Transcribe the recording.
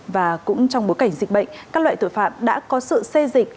và cũng trong bối cảnh dịch bệnh các loại tội phạm đã có sự xây dịch